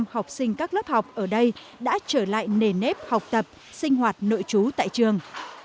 học sinh các lớp học ở đây đã trở lại nề nếp học tập sinh hoạt nội trú tại trường